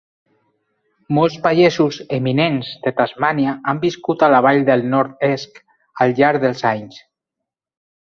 Molts pagesos eminents de Tasmània han viscut a la vall del North Esk al llarg dels anys.